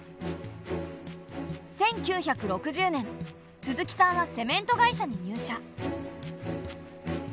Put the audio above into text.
１９６０年鈴木さんはセメント会社に入社。